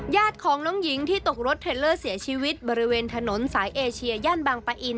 ญาติของน้องหญิงที่ตกรถเทลเลอร์เสียชีวิตบริเวณถนนสายเอเชียย่านบางปะอิน